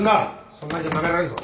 そんなんじゃなめられるぞ。